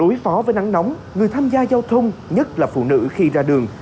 đối phó với nắng nóng người tham gia giao thông nhất là phụ nữ khi ra đường